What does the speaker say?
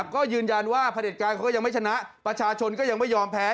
ก็ยืนยันว่าผลิตการเขาก็ยังไม่ชนะประชาชนก็ยังไม่ยอมแพ้